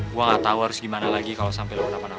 gue gak tau harus gimana lagi kalau sampai lupa nama nama